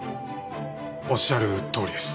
おっしゃるとおりです。